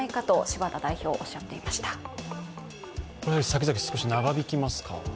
先々、少し長引きますか？